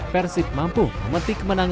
persib mampu memetik kemenangan